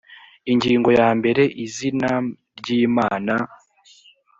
ingingo ya mbere izinam ryimana